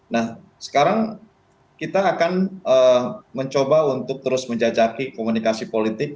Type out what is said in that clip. nah sekarang kita akan mencoba untuk terus menjajaki komunikasi politik